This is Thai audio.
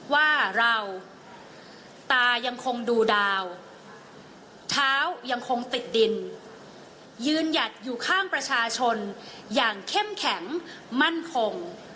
ว่าเราตายังคงดูดาวเท้ายังคงติดดินยืนหยัดอยู่ข้างประชาชนอย่างเข้มแข็งมั่นคง